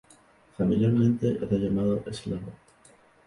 Familiarmente, era llamado "Slava".